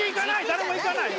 誰もいかない。